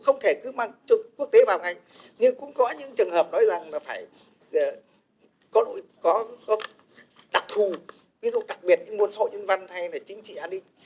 nhưng cũng có những trường hợp nói rằng là phải có đặc thù ví dụ đặc biệt những môn sâu nhân văn hay là chính trị an ninh